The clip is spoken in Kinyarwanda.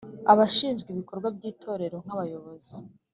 abashinzwe ibikorwa by Itorero nk abayobozi